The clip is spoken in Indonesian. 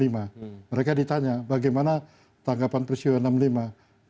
mereka ditanya bagaimana tanggapan peristiwa enam puluh lima